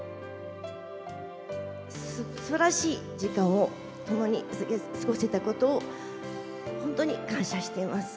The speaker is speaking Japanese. すばらしい時間を共に過ごせたことを、本当に感謝してます。